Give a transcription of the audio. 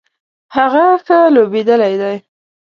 هغه ښه لوبیدلی دی